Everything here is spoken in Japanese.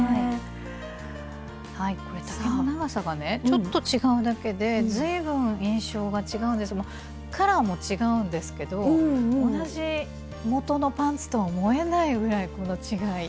ちょっと違うだけで随分印象が違うんですがカラーも違うんですけど同じ元のパンツとは思えないぐらいこの違い。